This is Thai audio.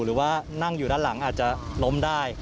หรือว่านั่งอยู่ด้านหลังอาจจะล้มได้